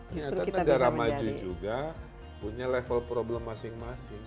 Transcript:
ternyata negara maju juga punya level problem masing masing